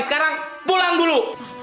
sekarang pulang dulu